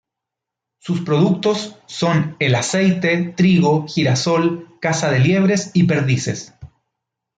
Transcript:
Sus productos son el aceite, trigo, girasol, caza de liebres y perdices.